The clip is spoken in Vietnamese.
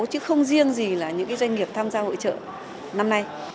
chứ không riêng gì là những doanh nghiệp tham gia hội trợ năm nay